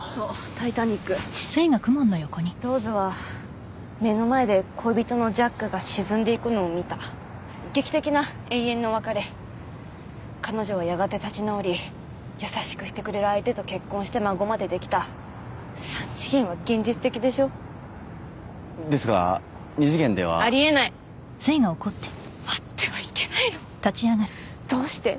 タイタニックローズは目の前で恋人のジャックが沈んでいくのを見た劇的な永遠の別れ彼女はやがて立ち直り優しくしてくれる相手と結婚して孫までできた三次元は現実的でしょ？ですが二次元ではありえないあってはいけないのどうして？